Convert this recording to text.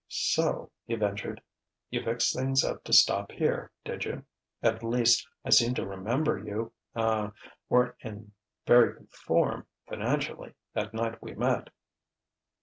"So," he ventured, "you fixed things up to stop here, did you? At least, I seem to remember you ah weren't in very good form, financially, that night we met."